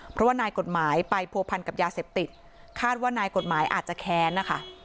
เพราะว่านายกฎหมายไปผัวพันกับยาเสพติดคาดว่านายกฎหมายอาจจะแค้นนะคะ